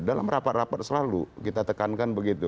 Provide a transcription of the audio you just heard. dalam rapat rapat selalu kita tekankan begitu